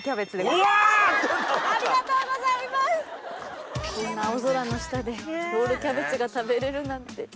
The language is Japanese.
こんな青空の下でロールキャベツが食べれるなんて。